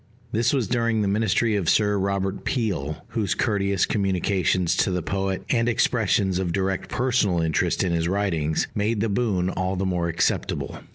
This was during the ministry of Sir Robert Peel, whose courteous communications to the poet, and expressions of direct personal interest in his writings, made the boon all the more acceptable.